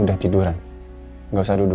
udah tiduran nggak usah duduk